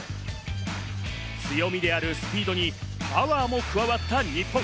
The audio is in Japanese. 強みであるスピードに、パワーも加わった日本。